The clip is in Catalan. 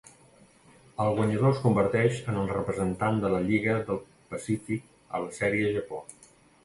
El guanyador es converteix en el representant de la Lliga del Pacífic a la Sèrie Japó.